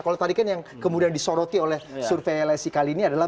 kalau tadi kan yang kemudian disoroti oleh survei lsi kali ini adalah